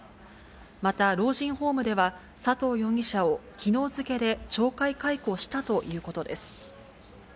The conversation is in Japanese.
また老人ホームでは、佐藤容疑者をきのう付けで懲戒解雇したということです。